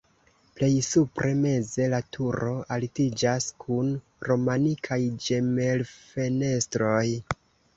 Plej supre meze la turo altiĝas kun romanikaj ĝemelfenestroj.